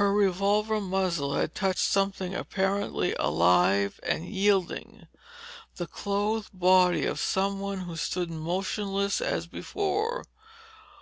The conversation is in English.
Her revolver muzzle had touched something apparently alive and yielding, the clothed body of someone who stood motionless as before.